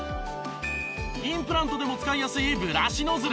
インプラントでも使いやすいブラシノズル。